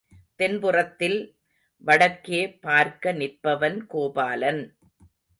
தென் புறத்தில் வடக்கே பார்க்க நிற்பவன் கோபாலன்.